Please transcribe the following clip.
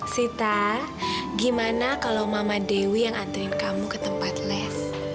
sita gimana kalau mama dewi yang antri kamu ke tempat les